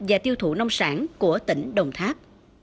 và tiêu thụ nông sản của tỉnh đồng tháp